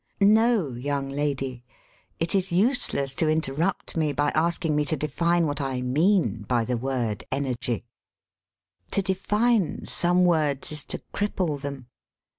"No, young lady ; it is useless to interrupt me by asking me to define what I mean by the word 58 SELF AND SELF MANAGEMENT 'energy.' To define some words is to cripple them.